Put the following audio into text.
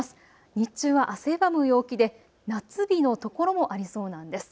日中は汗ばむ陽気で夏日の所もありそうなんです。